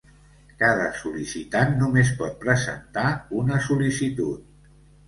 Cada sol·licitant només pot presentar una sol·licitud.